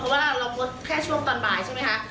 เพราะว่าเรางดแค่ช่วงตอนบ่ายใช่ไหมคะ